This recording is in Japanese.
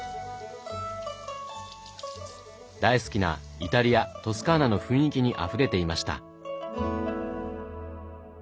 大好きなイタリアトスカーナの雰囲気にあふれていました。